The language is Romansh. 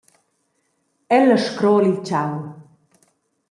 Ella scrola il tgau.